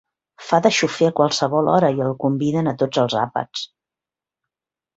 Fa de xofer a qualsevol hora i el conviden a tots els àpats.